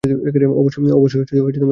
অবশ্যই দেখা করব।